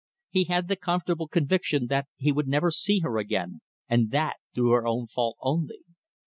He had the comfortable conviction that he would never see her again, and that through her own fault only.